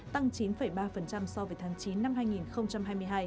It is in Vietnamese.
tăng chín ba so với tháng chín năm hai nghìn hai mươi hai